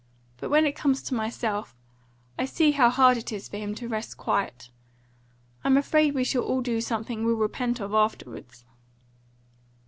But when it comes to myself, I see how hard it is for him to rest quiet. I'm afraid we shall all do something we'll repent of afterwards."